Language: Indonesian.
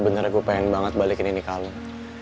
sebenernya gua pengen banget balikin ini ke alun